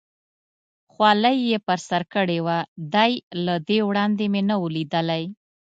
خولۍ یې پر سر کړې وه، دی له دې وړاندې مې نه و لیدلی.